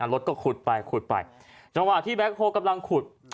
รถก็ขุดไปขุดไปจังหวะที่แก๊คโฮลกำลังขุด